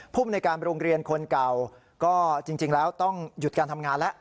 ภูมิในการโรงเรียนคนเก่าก็จริงแล้วต้องหยุดการทำงานแล้ว